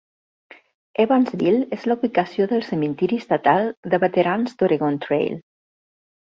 Evansville és la ubicació del Cementiri Estatal de Veterans d"Oregon Trail.